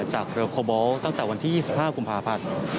จากเรลโคบอลตั้งแต่วันที่๒๕กุมภาพันธ์